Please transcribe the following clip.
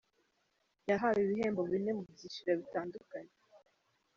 Yahawe ibihembo bine mu byiciro bitandukanye.